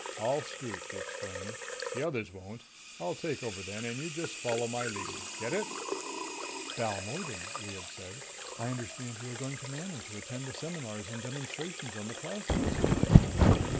"I'll scrut," he explained. "The others won't. I'll take over then and you just follow my lead. Get it?" "Balmordan," Lyad said, "I understand you are going to Manon to attend the seminars and demonstrations on the plasmoid station?"